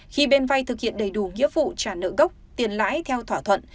khi bên vay thực hiện đầy đủ nghĩa vụ trả nợ gốc tiền lãi theo thỏa thuận